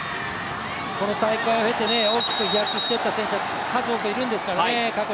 この大会経て大きく飛躍した選手が過去にも数多くいるんですからね。